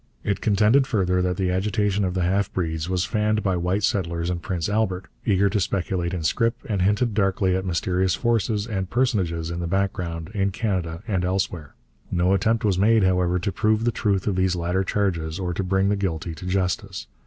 It contended further that the agitation of the half breeds was fanned by white settlers in Prince Albert, eager to speculate in scrip, and hinted darkly at mysterious forces and personages in the background, in Canada and elsewhere. No attempt was made, however, to prove the truth of these latter charges or to bring the guilty to justice.